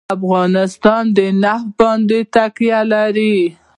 افغانستان په نفت باندې تکیه لري.